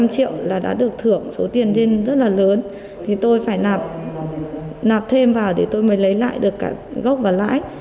năm triệu là đã được thưởng số tiền lên rất là lớn thì tôi phải nạp nạp thêm vào để tôi mới lấy lại được cả gốc và lãi